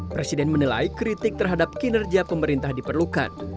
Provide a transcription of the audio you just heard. presiden menilai kritik terhadap kinerja pemerintah diperlukan